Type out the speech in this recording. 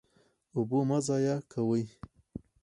اوبه مه ضایع کوئ